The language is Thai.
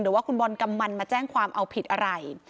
หรือว่าคุณบอลกำมันมาแจ้งความเอาผิดอะไร